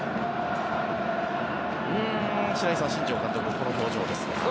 白井さん新庄監督もこの表情ですが。